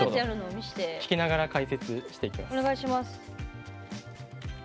弾きながら解説していきます。